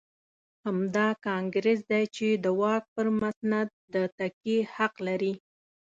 همدا کانګرېس دی چې د واک پر مسند د تکیې حق لري.